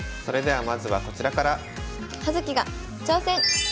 それではまずはこちらから。